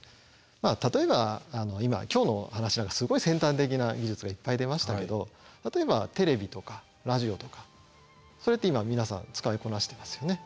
まあ例えば今今日の話なんかすごい先端的な技術がいっぱい出ましたけど例えばテレビとかラジオとかそれって今皆さん使いこなしてますよね。